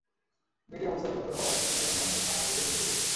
মেয়েটির অবস্থা গুরুতর হওয়ায় চিকিৎসার জন্য হয়তো থানায় অভিযোগ দিতে দেরি হচ্ছে।